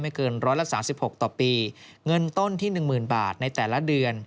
ไม่เกิน๑๓๖ต่อปีเงินต้นที่๑๐๐๐๐บาทในแต่ละเดือน